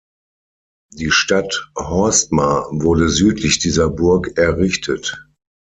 Die Stadt Horstmar wurde südlich dieser Burg errichtet.